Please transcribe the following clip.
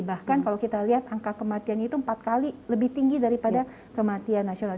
bahkan kalau kita lihat angka kematian itu empat kali lebih tinggi daripada kematian nasional